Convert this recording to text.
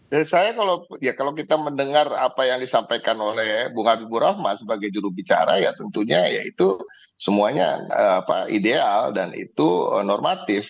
ya saya kalau kita mendengar apa yang disampaikan oleh bung habibur rahma sebagai jurubicara ya tentunya ya itu semuanya ideal dan itu normatif